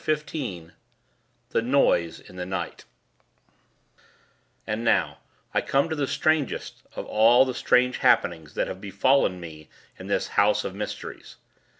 XV THE NOISE IN THE NIGHT And now, I come to the strangest of all the strange happenings that have befallen me in this house of mysteries.